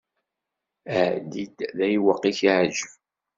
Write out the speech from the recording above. Ɛeddi-d ayweq i ak-iɛǧeb.